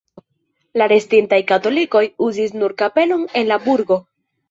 La restintaj katolikoj uzis nur kapelon en la burgo.